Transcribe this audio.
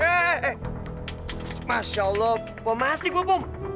eh eh eh masya allah mau mati gua pom